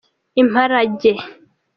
imparage.